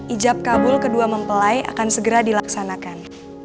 ijab kabul kedua mempelai akan segera dilaksanakan